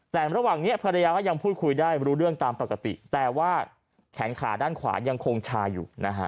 แต่ระหว่างนี้ภรรยาก็ยังพูดคุยได้รู้เรื่องตามปกติแต่ว่าแขนขาด้านขวายังคงชาอยู่นะฮะ